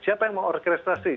siapa yang mau orkestrasi